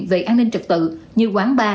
về an ninh trực tự như quán bar